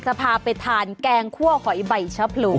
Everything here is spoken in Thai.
จะพาไปทานแกงคั่วหอยใบชะพลู